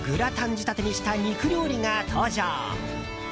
仕立てにした肉料理が登場。